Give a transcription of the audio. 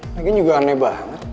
lagian juga aneh banget